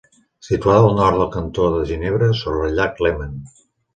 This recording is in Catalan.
Situada al nord del cantó de Ginebra, sobre el llac Léman.